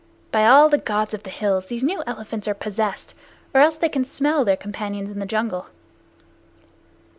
By all the Gods of the Hills, these new elephants are possessed, or else they can smell their companions in the jungle."